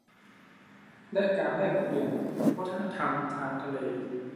และการแลกเปลี่ยนวัฒนธรรมทางทะเล